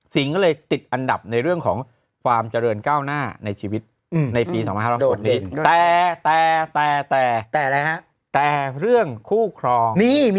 สิงธนศาสตร์ก็ติดอันดับในเรื่องของความเจริญก้าวหน้าในปี๒๐๑๖แต่เรื่องคู่ครอง